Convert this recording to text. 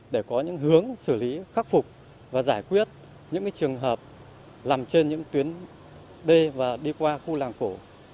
để có những hướng xử lý khắc phục và giải quyết những trường hợp nằm trên những tuyến đê và đi qua khu làng cổ